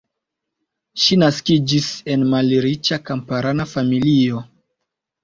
Ŝi naskiĝis en malriĉa kamparana familio.